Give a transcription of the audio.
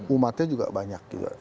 umatnya juga banyak